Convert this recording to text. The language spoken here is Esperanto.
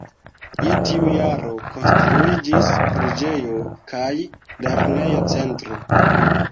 Je tiu jaro konstruiĝis preĝejo kaj lerneja centro.